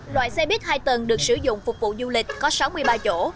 loại xe buýt hai tầng được sử dụng phục vụ du lịch có sáu mươi ba chỗ